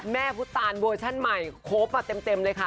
แม่พุตาลเวอร์ชันใหม่ครบมาเต็มเลยค่ะ